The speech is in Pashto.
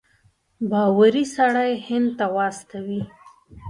باوري سړی هند ته واستوي.